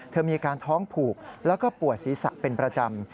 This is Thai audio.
มีอาการท้องผูกแล้วก็ปวดศีรษะเป็นประจำ